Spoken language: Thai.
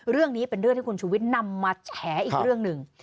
เรื่องนี้เป็นเรื่องที่คุณชุวิตนำมาแฉอีกเรื่องหนึ่ง